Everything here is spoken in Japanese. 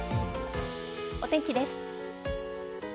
お天気です。